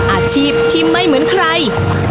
อาชีพที่ไม่เหมือนใคร